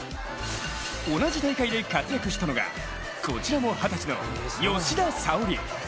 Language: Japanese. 同じ大会で活躍したのはこちらも二十歳の吉田沙保里。